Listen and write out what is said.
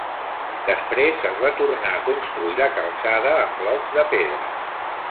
Després, es va tornar a construir la calçada amb blocs de pedra.